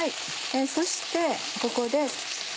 そしてここで。